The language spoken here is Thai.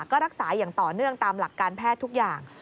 ก็รักษาอย่างต่อเนื่องตามหลักการแพทย์ทุกอย่าง